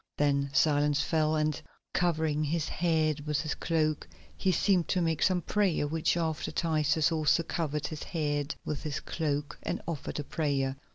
Then silence fell and, covering his head with his cloak, he seemed to make some prayer, after which Titus also covered his head with his cloak and offered a prayer.